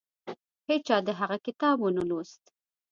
هیچا د هغه کتاب ونه لوست.